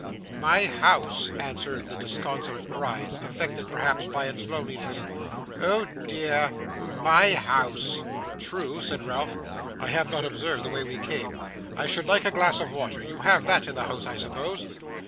'My house,' answered the disconsolate Gride, affected perhaps by its loneliness. 'Oh dear! my house.' 'True,' said Ralph 'I have not observed the way we came. I should like a glass of water. You have that in the house, I suppose?